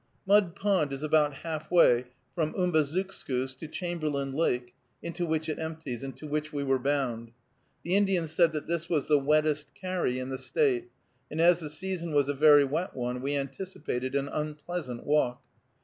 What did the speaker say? Mud Pond is about halfway from Umbazookskus to Chamberlain Lake, into which it empties, and to which we were bound. The Indian said that this was the wettest carry in the State, and as the season was a very wet one, we anticipated an unpleasant walk.